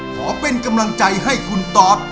ขอเป็นกำลังใจให้คุณตอบ